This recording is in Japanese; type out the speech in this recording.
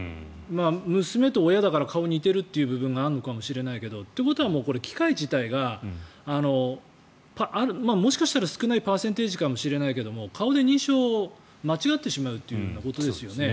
娘と親だから顔が似ているという部分があるのかもしれないけどということは、機械自体がもしかしたら少ないパーセンテージかもしれないけど顔で認証、間違ってしまうというようなことですよね。